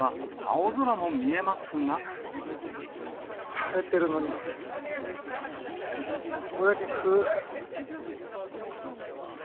晴れてるのに、ここだけ黒い。